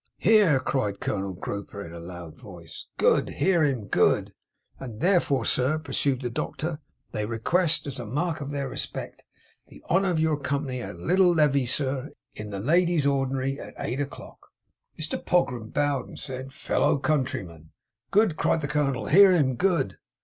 'Hear!' cried Colonel Grouper, in a loud voice. 'Good! Hear him! Good!' 'And therefore, sir,' pursued the Doctor, 'they request; as A mark Of their respect; the honour of your company at a little le Vee, sir, in the ladies' ordinary, at eight o'clock.' Mr Pogram bowed, and said: 'Fellow countrymen!' 'Good!' cried the Colonel. 'Hear, him! Good!